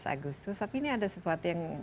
tujuh belas agustus tapi ini ada sesuatu yang